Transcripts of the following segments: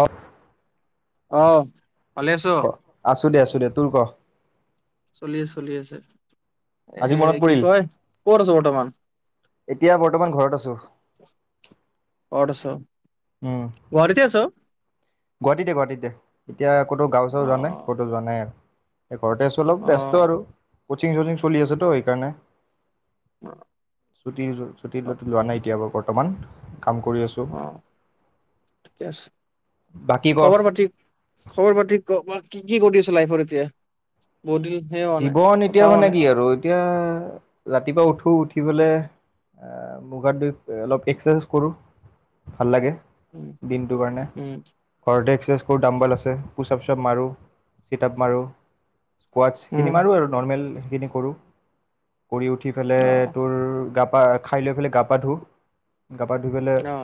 Of অহ ভালে আছ? আছো দে আছো দে টোৰ ক? চলি আছে চলি আছে এ আজি মনত কি পৰিল কয় কত আছ বৰ্ত্তমান? এতিয়া বৰ্তমান ঘৰত আছোঁ ঘৰত আছ? গুৱাহাটীতে আছ? গুৱাহাটীতে গুৱাহাটীতে, এতিয়া ক'তো গাঁও চাও অ যোৱা নাই, ক'তো যোৱা নাই আৰু ঘৰতে আছোঁ অলপ অ ব্যস্ত আৰু কচিং চচিং চলি আছেতো এইকাৰণে ছুটি ছুটি অ লতো যোৱা নাই এতিয়া বাৰ কথা [unintelligible] বৰ্তমান কাম কৰি আছোঁ অ ঠিকে আছে বাকী ক খবৰ পাতি খবৰ পাতি ক কি কি কৰি আছ লাইফৰ এতিয়া? বহুত দিন সেই হোৱা নাই জীৱ নিত কথা হোৱা মানে নাই কি আৰু? এতিয়া ৰাতিপুৱা উঠো, উঠি পেলাই আ' মুখ হাত ধুই অলপ এক্সেচাইজ কৰোঁ ভাল লাগে। উম দিনটো কাৰণে, উম ঘৰতে টোস্কোৱেৰ ডাম্বাল আছে পুচাপ ছুচাপ মাৰোঁ, চিতাপ মাৰোঁ স্কোৱাজ খিনি উম মাৰোঁ আৰু নৰ্মেল যি খিনি কৰো কৰি উঠি ফেলে অ তোৰ গাপ অহ', খাই লৈ ফেলে গা-পা ধো। গাপা ধুই পেলাই অ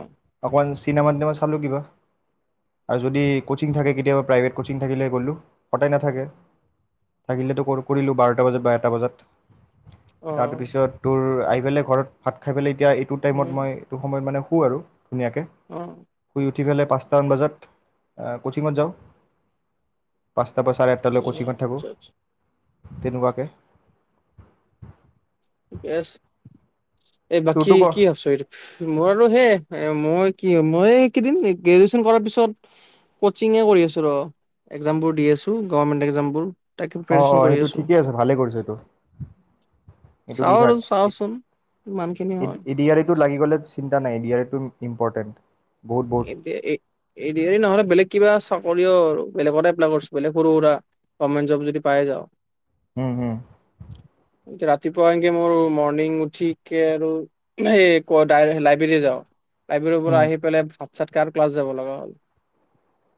অকণ চি চিনেমাহ-টিনেমাহ চালোঁ কিবা আৰু যদি ক'চিং থাকে, কেতিয়াবা প্ৰাইভেট ক'চিং থাকিলে গ'লোঁ, সদায় নাথাকে। থাকিলেতো কৰ কৰিলোঁ বাৰটা বজাত বাৰটা বজাত । অ তাৰপিছত তোৰ, আই এইফালে ঘৰত ভাত খাই ফেলে এতিয়া এইটো টাইমত উম মই, এইটো সময়ত মানে, শু আৰু। ধুনীয়াকে অ শুই উঠিফালে পাঁচটামান বজাত, অহ' ক'চিঙত যাওঁ। পাঁচ তাৰ পৰা চাৰে আঠটালৈ আচ্ছা ক'চিঙত থাকো। আচ্ছা তেনেকুৱাকে, ঠিকেই আছে। এই বাকী তোৰতো ক কি ভাবছ আৰু মোৰ আৰু সেয়াই মই কি মই এইকেদিন গ্ৰেজুৱেচন কৰাৰ পিছত ক'চিং এ কৰি আছো ৰ, একজামবোৰ দি আছো গভৰ্ণমেণ্ট একজামবোৰ । অ-অ, সেইটো ঠিকেই আছে ভালেই কৰিছটো। এইটো দি চাওঁ আৰু থাক চাওচোন ইমানখিনি এ হয় এডি আৰিটো লাগি গ'লে চিন্তা নাই, এডি আৰিত। ইম ইম্পৰ্টেণ্ট । এতিয়া এ এডি আৰি নহলে বেলেগ কিবা চৰ কৰি আৰু বেলেগতে এপলাই কৰছো বেলেগ সৰু-সুৰা গভমেণ্ট জব যদি পাই যাওঁ। উম-উম, ৰাতিপুৱা এনকে মোৰ মৰ্ণিং উঠিকে আৰু কো লাইব্ৰেৰী যাওঁ । লাইব্ৰেৰী পৰা উম আহি পেলাই ভাত-সাত কাৰ ক্লাছ যাব লগা হ'ল?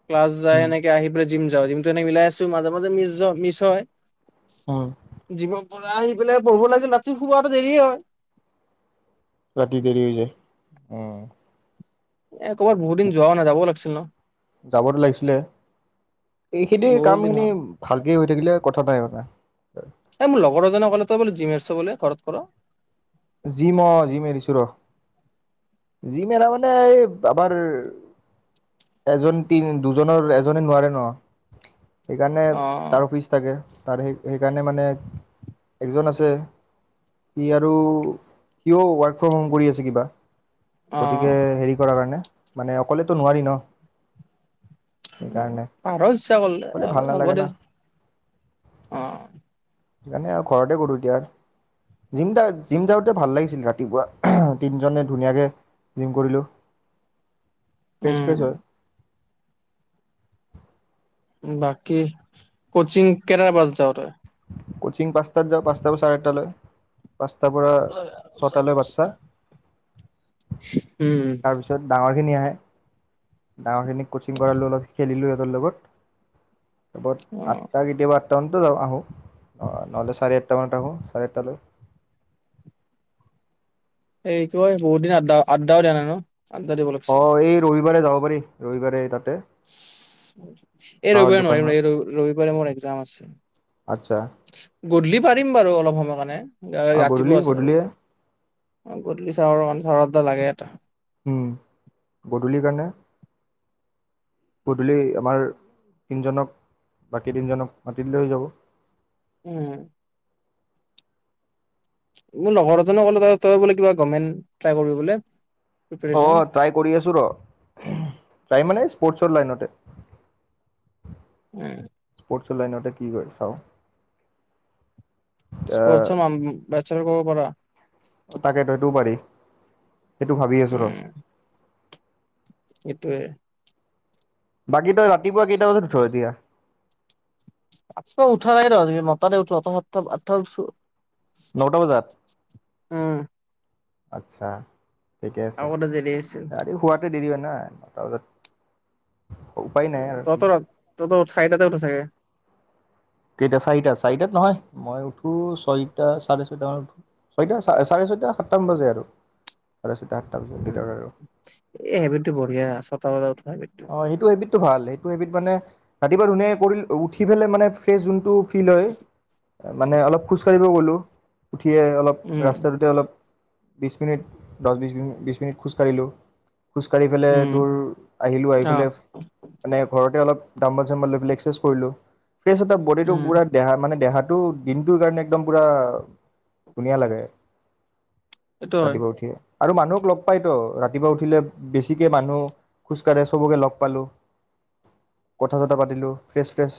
ক্লাছ যায় উম এনেকে আহি পেলাই জিম জিমটো এনে মিলাই আছো মাজে-মাজে মিছ য মিছ হয় উম । জিমত, পূৰা আহি পেলাই বহু লাগিল ৰাতি শুৱাটো দেৰি হয় । ৰাতি দেৰি হৈ যায় উম । এ ক'বাত বহুত দিন যোৱাও নাই যাব লাগিছে ন যাবতো লাগিছিলে এইখেইতে বহুত দিন কামখিনি হ'ল ভালকে থাকিলে কথা নাই মানে এই মোৰ লগৰ এজনে কলে তই বলে জিম আনিছা বুলে ঘৰত কৰ জিম অ জিম এৰিছো ৰ জিম এৰা মানে এই আমাৰ এজন তিন দুজনৰ এজনে নোৱাৰে ন সেইকাৰণে তাৰ অফিচ থাকে তাৰ সেই সেইকাৰণে মানে এজন আছে হি আৰু সিয়ো ৱৰ্ক ফ্ৰম হোম কৰি আছে কিবা অ গতিকে হেৰি কৰাৰ কাৰণে মানে অকলেতো নোৱাৰি ন সেইকাৰণে পাৰ ইচ্ছা কৰিলে গ'লে ভাল হলো হ'ব নালাগে দে না অ সেইকাৰণে আৰু ঘৰতে কৰোঁ এতিয়া জিমযা জিম যাওঁতে ভাল লাগিছিল ৰাতিপুৱা তিনিজনে ধুনীয়াকৈ জিম কৰিলোঁ ফ্ৰেছ ফ্ৰেছ উম হয় বাকি কচিং কেইটা বজাত যাওঁ তই কোচিং পাঁচটাত যাওঁ পাঁচটাৰ পৰা চাৰেআঠটালৈ হয় হয় উম তাৰপিছত ডাঙৰ সেইখিনি আহে ডাঙৰখিনিক কচিং কৰালোঁ অলপ খেলিলোঁ সিহঁতৰ লগত অ তাৰপৰত আঠটা কেতিয়াবা আঠটানতো যাওঁ আহো নহ'লে চাৰে আঠটা মানত আহোঁ চাৰে আঠটালৈ এইটো হয় বহুত দিন আদ্দা আদ্ডাও দিয়া নাই ন আদ্দা দিব লাগছিল বাৰে যাব পাৰি ৰবিবাৰে তাত এই ৰবিবাৰে নোৱাৰিম ৰে দোকানখনত ৰবিবাৰে মোৰ এক্সাম আছে আচ্ছা গধূলি পাৰিম বাৰু অলপ সময় কাৰণে অঁ গধূলি ৰাতিপুৱা আছোঁ আৰু গধূলিয়ে বাৰু গধূলি চাওঁ আৰু আন্ধাৰত এটা লাগে এটা উম গধূলিৰ কাৰণে গধূলি আমাৰ তিনিজনক বাকী তিনিজনক মাতি দিলে হৈ যাব উম মোৰ লগৰ এজনে ক'লে ত তই বোলে কিবা গভমেন্ত ট্ৰাই কৰিবলে অ ট্ৰাই কৰি আছো ৰ ট্ৰাই মানে্ স্পৰ্ত ৰ্টছ ৰ লাইনতে উম চলাই নওঁতে কি কয় চাওঁ এ স্পৰ্টৰ বেচাৰ পাবপাৰা তাকেতইটো এইটো পাৰি সেইটো ভাবি আছোঁ ৰ উম সেইটোয়ে বাকী তই ৰাতিপুৱা কেইটা বজাত উঠ এতিয়া আ উঠা যাই ৰজ মতাৰে উঠোৱা অ সাত আঠটা উঠ নটা বজাত উম আচ্ছা ঠিকে আছে আগতে দেৰি হৈছিল ৰাতি শুৱাতে দেৰি হয় নাই নটা বজাত এ উ ততৰা তত চাৰিটাতে উঠা চাগে কেইটা চাৰিটা চাৰিটাত নহয় মই উঠো ছয়টা চাৰে ছয়তা মানত ছয়তা চাৰে ছয়টা সাতটামান বজে আৰু চাৰে ছয়টা সাতটা উ বজাৰ ভিতৰত আৰু এই হেবিতটো বঢ়িয়া চব হ' অ সেইটো এবিটো ভাল সেই মানে ৰাতিপুৱা ধুন উঠি পেলে মানে ফ্ৰেছ যিটো চিলৈ মানে অলপ খোজকাঢ়িব গ'লোঁ উঠিয়ে অলপ উম ৰাস্তাটোতে অলপ বিশ মিনিট দহ বিশিনি বিশ মিনিট খোজকাঢ়িলোঁ খোজকাাঢ়ি পেলাই উম তোৰ আহিলোঁ আহি অ পেলাই মানে ঘৰতে অলপ ডামল চামল লৈফিলে এক্সেছ কৰিলোঁ ফ্ৰেছ এ বডীটো উম পুৰা দেহা মানে দেহাত টো দিনটো কাৰণে পোৰা ধুনীয়া লগে সেইটো হয় ৰাতিপুৱা উঠিয়ে আৰু মানুহক লগ পাইতো ৰাতিপুৱা উঠিলে বেছিকে মানুহ খোজকাঢ়ে চবকে লগ পালোঁ কথা চত পাতিলোঁ ফ্ৰেচ ফ্ৰেছ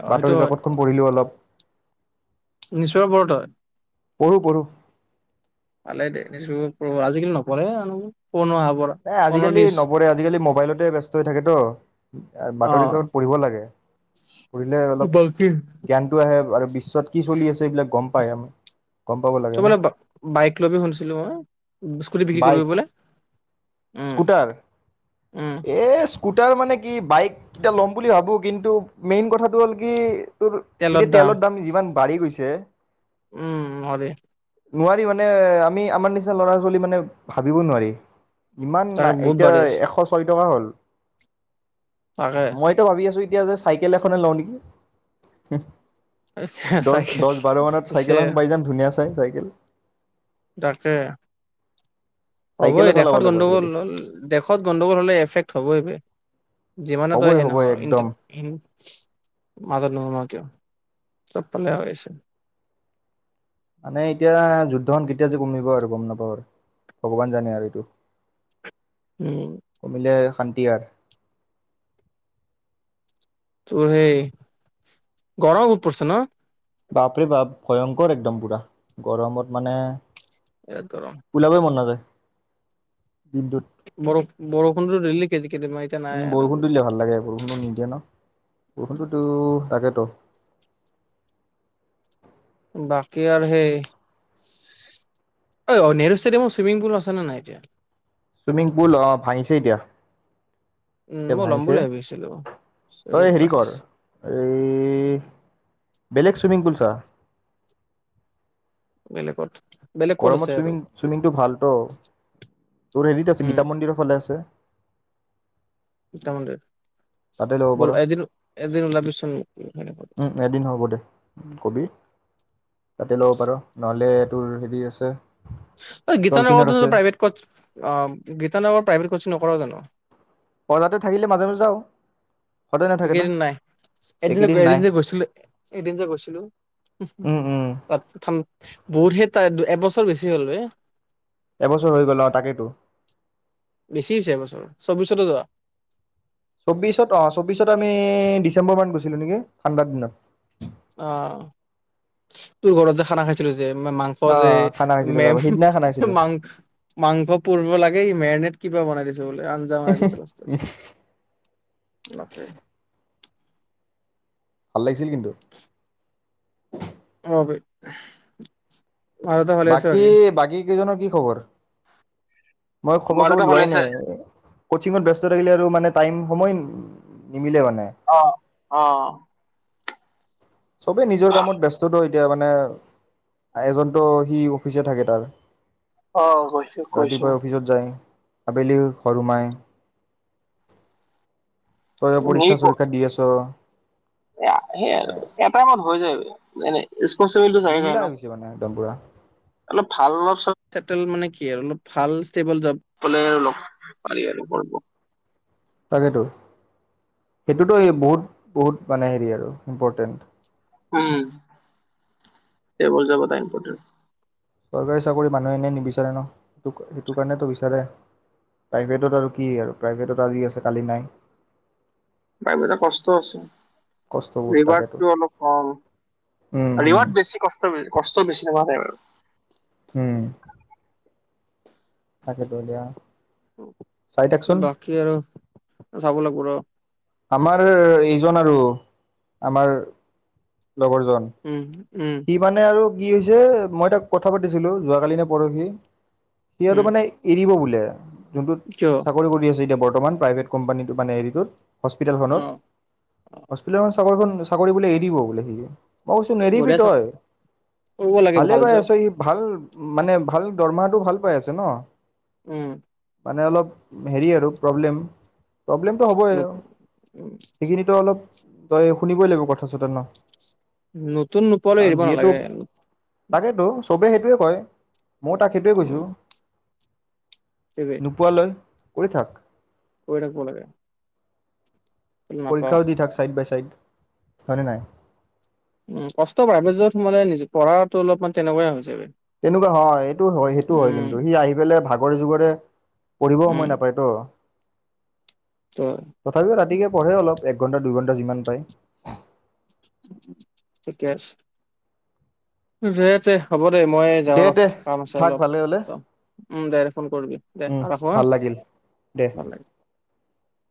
অ সেইটো বাতৰি হয় কাকতখন পঢ়িলোঁ অলপ নিশ্চয় বৰ তই পঢ়ু পঢ়ুঁ পালে দে আজিকালি নপঢ়ে ফোন অহাৰ পৰা নাই ফোনৰ আজিকালি নিউজ নবৰে আজিকালি মোবাইলত ব্যস্ত হৈ থাকে তো অ বাতৰিকাকত পঢ়িব লাগে পঢ়িলে অলপ জ্ঞানটো আহে আৰু। বিশ্বত কি চলি আছে এইবিলাক গম পায় আমি গম পাব লাগে ন তোমালে বাইক লবি শুনিছিলো মই। স্কুটি বিক্ৰী বাইক কৰিবি বোলে। উম স্কুটাৰ! উম এ। স্কুটাৰ মানে কি বাইক এটা ল'ম বুলি ভাবো কিন্তু মেইন কথাটো হ'ল কি। তোৰ এতিয়া তেলৰ দাম যিমান বাঢ়ি গৈছে। এহ উম হবে। নোৱাৰি মানে আমি আমাৰ নিচিনা ল'ৰা ছোৱালী মানে ভাবিব নোৱাৰি। ইমান তাকে নাই বহুত এতিয়া বাঢ়িছ এশ ছয়। কে টকা হ'ল? তাকে মইতো ভাবি আছো ই এতিয়া যে চাইকেল এখনে লওঁ নেকি। হিহি। চাইকেল দচ-দচ-বাৰ মানত পিছে চাইকেল এখন পাই যাম ধুনীয়া চা চাই চাইকেল। তাকে। হ'বই চাইকেলে চলাব দেশত লাগিব গণ্ডগোল আজিকালি। হ'ল দেশত গণ্ডগোল হ'লে এফেক্ট হ'বই বে'। যিমানেতো হ'বই সে হ'বই নহয় ইণ্টো। একদম মাজত নোসোমাও। চব ফালে হৈ আছে। মানে এতিয়া যুদ্ধখন কেতিয়া যে কমিব আৰু গম নাপাওঁ আৰু। ভগৱান জানে আৰু এইটো। উম কমিলে হান তিয়াৰ। তোৰ সেই গৰম উপ পৰিছে ন। বাপৰে বাপ ভয়ংকৰ একদম পুৰা গৰমত মানে। বিৰাট গৰম ওলাবই মন নাযায়। দিনটোত বৰফ বৰষুণটো দিলেক। উম বৰষুণটো দিলে ভাল লাগে বৰষুণটো নিদিয়ে ন। বৰষুণটোতো তাকেতো। বাকী আৰু সেই। ঐ অ নেহৰু ষ্টেডিয়ামৰ চুইমিং পুল আছেনে নাই এতিয়া? চুইমিং পুল অঁ ভাঙিছে এতিয়া। উম, এতিয়া মই ল'ম ভাঙিছে। বুলি ভাবিছিলো তই চুইমিং হেৰি ক্লাছেছ কৰ এই বেলেগ চুইমিং পুল কাহ। বেলেগত। বেলেগ ক'ত আছে গৰমত আৰু চুইমিং চুইমিংটো ভালতো। তোৰ হেৰিত আছে উম, গীতা মন্দিৰৰ ফালে আছে। গীতা মন্দিৰ। তাতে ল'ব ব'ল পাৰ [inaudible] এদিন এদিন ওলাবিচোন উম এদিন হ'ব দে কবি তাতে ল'ব পাৰ নহলে এই তোৰ হেৰি আছে। ঐ ডলফিনত গীতানগৰতো আছে প্ৰাইভেট অ গীতানগৰ প্ৰাইভেট কছ নকৰ জানো অ' তাতে থাকিলে মাজে মাজে যাওঁ সদায় নাথাকে না এইকেইদিন নাই এদিন যে এইকেইদিন গৈ এদিন নাই যে গৈছিলো এদিন যে গৈছিলো উম উম তাত ঠাণ্ড বহুত সেই তাই এবছৰ বেছি হ'ল বে এবছৰ হৈ গল অ তাকেইতো বেছি হৈছে এবছৰ চব্বিশতে যোৱা চৌব্বিশত অ চৌব্বিশত আমি ডিচেম্বৰ মানত গৈছিলো নেকি ঠাণ্ডাৰ দিনত অ তোৰ ঘৰত যে খানা খাইছিলো যে মাংস অ যে খানা খাইছিলোঁ যাব মেম সেইদিনাই খানা খাইছিলোঁ মাং মাংস পৰিব লাগে এই মেৰিনেট কিবা বনাই দিছে বোলে আঞ্জা মাদিছিলো [unintelligible] [unintelligible] ‌ভাল লাগিছে আছিল কিন্তু [unintelligible] ভালে আছে বাকী বাকী এইজনৰ কি খবৰ মই খবৰ মা চবৰ দেউতা ভালে লোৱাই আছে? নাই কোচিংত ব্যস্ত থাকিলে আৰু মানে টাইম সময় নিমিলে মানে অ অ চবেই নিজৰ কামত ব্যস্তত এতিয়া মানে এজনতো সি অফিচে থাকে তাৰ অ কৈছো কৈছো ৰাতিপুৱাই অফিচত যায় আবেলি সৰুমাই তই পৰীক্ষা চৰীক্ষা দি আছ এ সেইয়া মানে আৰু এটাইমত হৈ যায় বে মানে ৰিচপনচিব্লিতি চাগে নাই নিমিলা ন হৈ গৈছে মানে একদম পুৰা [inaudible] অলপ ভাল অলপ চব, চেতেল মানে কি আৰু অলপ ভাল ষ্টেবোল জব পালে পাৰি আৰু লগ কৰিব তাকেতো সেইটোতো এই বহুত বহুত মানে হেৰি আৰু ইম্পৰ্টেণ্ট উম [inaudible] দে হৈ যাব টাইম কথা চৰকাৰী চাকৰি মানুহে এনেই নিবিচাৰে ন স সেইটো কাৰণেতো বিচাৰে প্ৰাইভেটত আৰু কি আৰু প্ৰাইভেটত আজি আছে কালি নাই। প্ৰাইভেটত কষ্ট আছে [inaudible] কষ্টবোৰ তাকেতো ৰিৱাৰ্ডটো অলপ কম উম [inaudible] হম ৰিৱাৰ্ড বেছি কষ্ট কষ্ট বেছি নহোৱা [unintelligible] উম তাকে দলীয়া বাকী আৰু চাব লাগিব ৰ আমাৰ লগৰজন উম উম সি মানে আৰু কি হৈছে মই তাক কথা পাতিছিলো যোৱ কালি নে পৰহি সিহঁতটো উম মানে এৰিব বুলি তে যোনটোত কিয় চাকৰি কৰি আছে এতিয়া বৰ্তমান প্ৰাইভ কোম্পানী মানে হৰিটোত অ হস্পিতেলখনত চাকৰি খ চাকৰি বোলে এৰি দিব বোলে সিে মই কৈছোঁ নেদিবি বঢ়িয়া চাক তই কৰিব লাগে ভালে ভাল বাই আছ জব স ভাল মানে ভাল দৰমহাটো ভাল পাই আছে ন উম মানে অলপ হেৰি আৰু প্ৰব্লেম প্ৰব্লেমটো হ'বই নতুন আৰু উম, সেইখিনিতো অলপ তই শুনিবই লাগিব কথা ন! উম তোৰ নোপোৱালৈ কাৰণ এৰিব নালাগে চবে সেইটোৱে কয় মই তাক সেইটোৱে উম, কৈছোঁ নোপোৱালৈ কৰি থাক কলাগে পৰীক্ষাও দি থাক চাইডবাই চ কাৰনে নাই উম কষ্ট পায় য'ত মানে নিজ পঢ়াতটো অলপমান তেনেকুৱাই হৈছে তেনেকুৱা হয় এইটো হয় সেইটো হয় কিন্তু সি আহি পেলাই ভাগৰে যুগৰে পঢ়িব উম, সময় নাপায়তো ত' তথাপিও ৰাতিকে পঢ়ে অলপ ঘণ্টা দুইঘণ্টা যিমান পাৰে ঠিকেছে তে [unintelligible] মই যাওঁ দে ৰ দে কাম আছে থাক অলপ ভালে হ'লে উম দে ফোন কৰবি দে ।ৰাখো হা ভাল লাগিল দে । [inaudible]